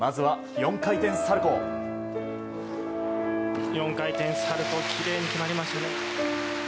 ４回転サルコウきれいに決まりましたね。